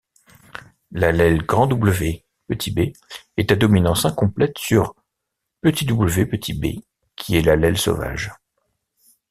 L’allèle Wb est à dominance incomplète sur wb, qui est l'allèle sauvage.